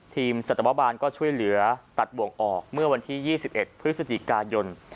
สัตวบาลก็ช่วยเหลือตัดบ่วงออกเมื่อวันที่๒๑พฤศจิกายน